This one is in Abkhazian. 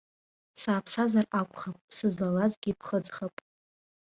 Сааԥсазар акәхап, сызлалазгьы ԥхыӡхап.